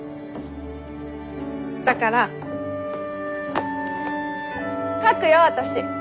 だから書くよ私。